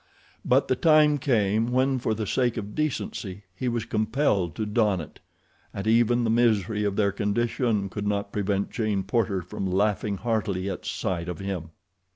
But the time came when for the sake of decency he was compelled to don it, and even the misery of their condition could not prevent Jane Porter from laughing heartily at sight of him.